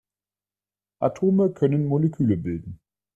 Atome können Moleküle bilden.